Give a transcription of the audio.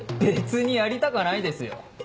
別にやりたかないですよ。